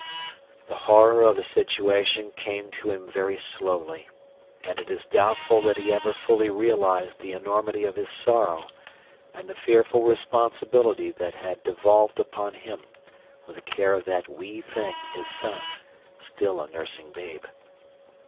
The horror of the situation came to him very slowly, and it is doubtful that he ever fully realized the enormity of his sorrow and the fearful responsibility that had devolved upon him with the care of that wee thing, his son, still a nursing babe.